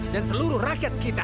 dan seluruh rakyat kita